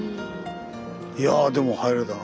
いやでも入れたな。